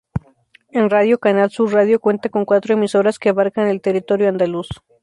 En radio, Canal Sur Radio cuenta con cuatro emisoras que abarcan el territorio andaluz.